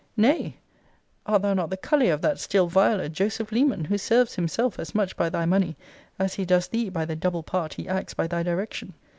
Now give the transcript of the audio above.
Nay, art thou not the cully of that still viler Joseph Leman, who serves himself as much by thy money, as he does thee by the double part he acts by thy direction?